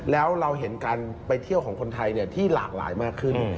แล้วเราเห็นการไปเที่ยวของคนไทยที่หลากหลายมากขึ้น